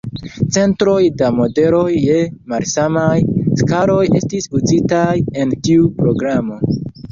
Centoj da modeloj je malsamaj skaloj estis uzitaj en tiu programo.